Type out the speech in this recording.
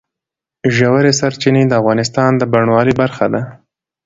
ژورې سرچینې د افغانستان د بڼوالۍ برخه ده.